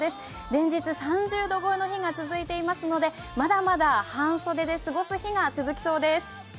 連日、３０度超えの日が続きますのでまだまだ半袖の日が続きそうです。